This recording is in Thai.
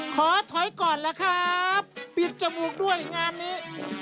ขอถอยก่อนล่ะครับปิดจมูกด้วยงานนี้